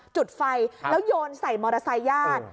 จุดไฟแล้วโยนใส่มอเตอร์ไซค์ญาติ